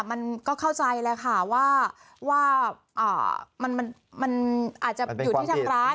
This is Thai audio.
มันก็เข้าใจแหละค่ะว่าว่าอ่ามันมันมันอาจจะอยู่ที่ทางร้าน